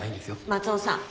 松尾さん